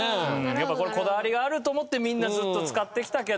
やっぱこだわりがあると思ってみんなずっと使ってきたけど。